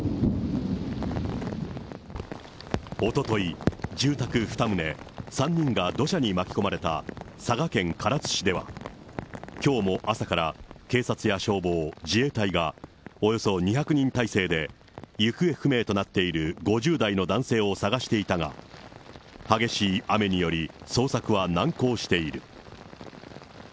おととい、住宅２棟３人が土砂に巻き込まれた佐賀県唐津市では、きょうも朝から警察や消防、自衛隊が、およそ２００人態勢で行方不明となっている５０代の男性を捜していたが、激しい雨により、捜索は難航している。